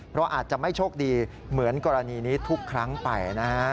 เพราะอาจจะไม่โชคดีเหมือนกรณีนี้ทุกครั้งไปนะฮะ